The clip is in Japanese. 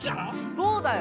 そうだよ。